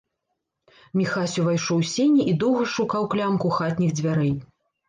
Міхась увайшоў у сені і доўга шукаў клямку хатніх дзвярэй.